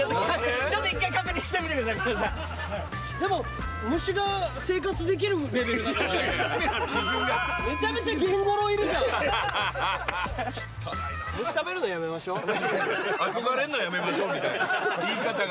ちょっと１回確認してみてくださいでもいやいやいやめちゃめちゃゲンゴロウいるじゃん汚いな「憧れるのやめましょう」みたいな言い方が